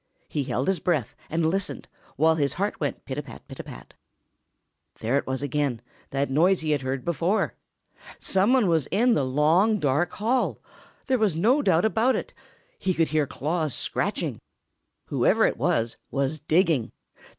He held his breath and listened, while his heart went pit a pat, pit a pat. There it was again, that noise he had heard before! Some one was in the long, dark hall! There was no doubt about it. He could hear claws scratching. Whoever it was, was digging.